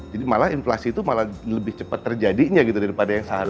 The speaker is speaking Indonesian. jadi malah inflasi itu malah lebih cepat terjadinya gitu daripada yang seharusnya